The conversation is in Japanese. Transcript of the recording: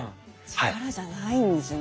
力じゃないんですね。